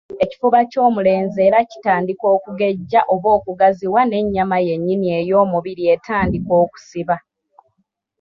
Ekifuba ky'omulenzi era kitandika okugejja oba okugaziwa n'ennyama yennyini ey'omubiri etandika okusiba.